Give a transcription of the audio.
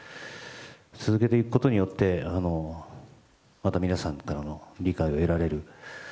続けていくことによって皆さんからの理解を得られる。